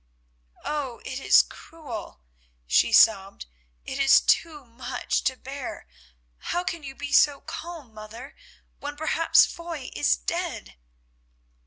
"Oh! it is cruel," she sobbed, "it is too much to bear. How can you be so calm, mother, when perhaps Foy is dead?"